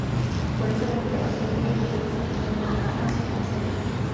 Por eso, la mirada hacia arriba y los dedos apuntando hacia el más allá.